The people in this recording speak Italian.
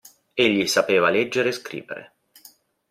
Egli sapeva leggere e scrivere.